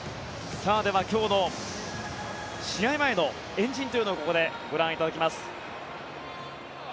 では、今日の試合前の円陣をここでご覧いただきます。